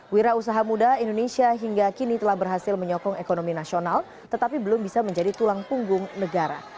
wira usaha muda indonesia hingga kini telah berhasil menyokong ekonomi nasional tetapi belum bisa menjadi tulang punggung negara